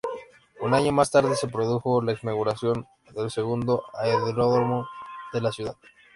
Un año más tarde, se produjo la inauguración del segundo aeródromo de la ciudad.